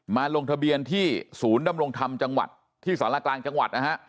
ลงทะเบียนที่ศูนย์ดำรงธรรมจังหวัดที่สารกลางจังหวัดนะฮะ